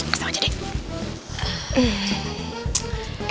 kasih tau aja deh